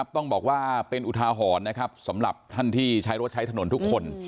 ต้องบอกว่าเป็นอุทาหรณ์นะครับสำหรับท่านที่ใช้รถใช้ถนนทุกคน